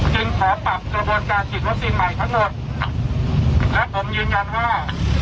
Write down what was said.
จึงขอปรับกระบวนการฉีดวัคซีนใหม่ทั้งหมดและผมยืนยันว่า